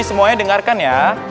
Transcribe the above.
semuanya dengarkan ya